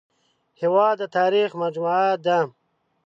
هېواد د تاریخ مجموعه ده